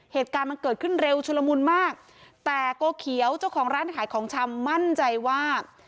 เหตุการณ์มันเกิดขึ้นเร็วชุลมุนมากแต่โกเขียวเจ้าของร้านขายของชำมั่นใจว่า